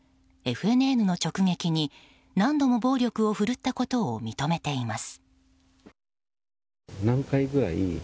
ＦＮＮの直撃に、何度も暴力を振るったことを認めています。